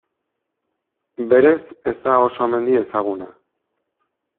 Berez ez da oso mendi ezaguna.